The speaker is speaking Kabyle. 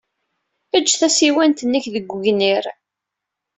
Ejj tasiwant-nnek deg wegnir.